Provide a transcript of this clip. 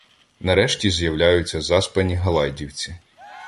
Нарешті з'являються засапані галайдівці.